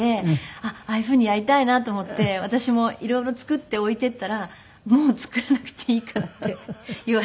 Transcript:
あっああいうふうにやりたいなと思って私も色々作って置いていったら「もう作らなくていいから」って言われて。